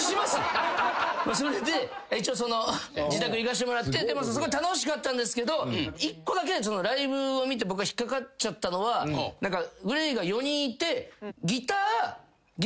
それで一応自宅行かしてもらってすごい楽しかったんですけど一個だけライブを見て僕が引っかかっちゃったのはＧＬＡＹが４人いて。